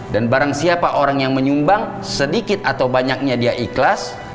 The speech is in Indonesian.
dan barang siapa orang yang menyumbang sedikit atau banyaknya dia ikhlas